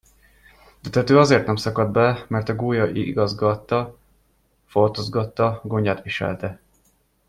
De a tető azért nem szakadt be, mert a gólya igazgatta, foltozgatta, gondját viselte.